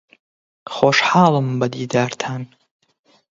خۆشحاڵم بە دیدارتان.